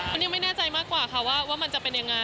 มันยังไม่แน่ใจมากกว่าค่ะว่ามันจะเป็นยังไง